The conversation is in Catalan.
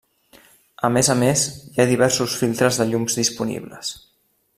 A més a més hi ha diversos filtres de llums disponibles.